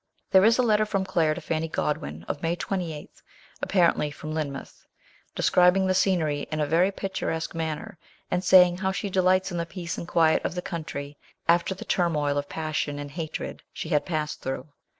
There is a letter from Claire to Fanny Godwin, of May 28, apparently from Lynmouth, describing the scenery in a very picturesque manner, and saying how she delights in the peace and quiet of the country after the turmoil of passion and hatred she had passed through.